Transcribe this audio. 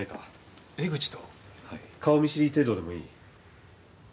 顔見知り程度でもいい。